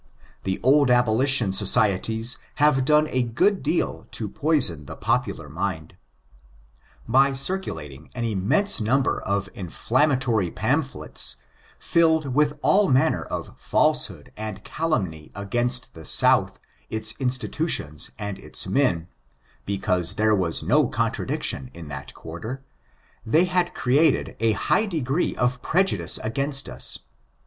The old abolition societies have done a good deal to poison the popular mind. By circulating an immense number of inflammatory pamphlets, filled with all manner of falsehood and calumny against the South, its institutions, and its men, because there was no contradiction in that quarter, they had created a high degree of prejudice against us.